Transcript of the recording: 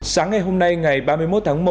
sáng ngày hôm nay ngày ba mươi một tháng một